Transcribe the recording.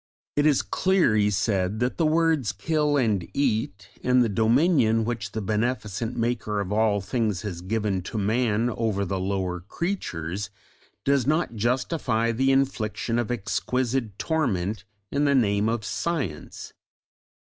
"It is clear," he said, "that the words 'kill and eat,' and the dominion which the beneficent Maker of all things has given to man over the lower creatures, does not justify the infliction of exquisite torment in the name of Science."